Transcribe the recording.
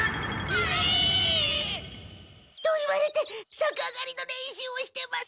はい！と言われて逆上がりの練習をしてます。